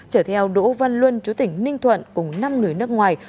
chở theo đỗ văn luân chú tỉnh ninh thuận cùng năm người nước ngoài